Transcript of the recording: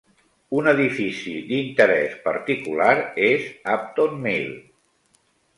Un edifici d'interès particular és Upton Mill.